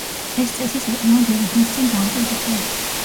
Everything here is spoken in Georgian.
ეს წესი საკმაოდ დიდი ხნის წინ დამკვიდრდა.